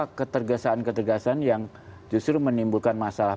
apa ketergesaan ketergesaan yang justru menimbulkan masalah